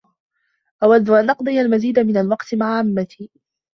أودّ أن أقضي المزيد من الوقت مع عمّتي.